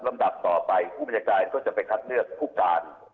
ดับต่อไปผู้บัญชาการก็จะไปคัดเลือกผู้การ